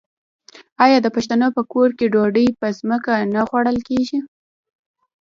آیا د پښتنو په کور کې ډوډۍ په ځمکه نه خوړل کیږي؟